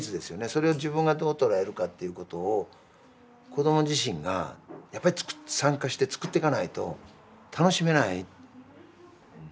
それを自分がどう捉えるかっていうことを子ども自身がやっぱり参加して作っていかないと楽しめない。